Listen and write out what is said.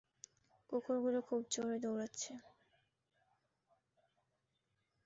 কুকুরগুলো খুব জোরে দৌড়াচ্ছে।